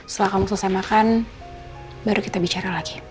setelah kamu selesai makan baru kita bicara latch